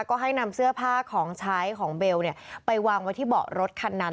ก็ให้นำเสื้อผ้าของใช้ของเบลไปวางไว้ที่เบาะรถคันนั้น